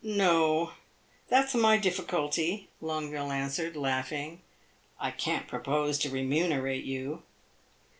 "No. That 's my difficulty," Longueville answered, laughing. "I can't propose to remunerate you."